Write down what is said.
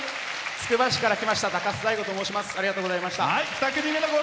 つくば市から来ましたたかすと申します。